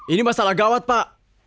ini masalah gawat pak